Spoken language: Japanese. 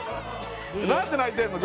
何で泣いてるの？